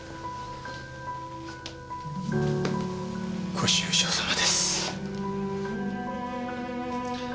ご愁傷さまです。